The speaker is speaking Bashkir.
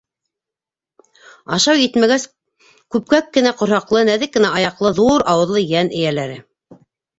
Ашау етмәгәс, күпкәк кенә ҡорһаҡлы, нәҙек кенә аяҡлы, ҙур ауыҙлы йән эйәләре.